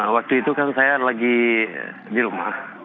waktu itu kan saya lagi di rumah